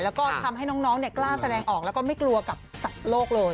แล้วก็ทำให้น้องกล้าแสดงออกแล้วก็ไม่กลัวกับสัตว์โลกเลย